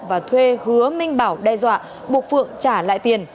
và thuê hứa minh bảo đe dọa buộc phượng trả lại tiền